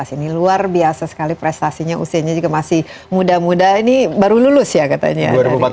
ini luar biasa sekali prestasinya usianya juga masih muda muda ini baru lulus ya katanya